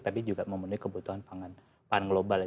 tapi juga memenuhi kebutuhan pangan global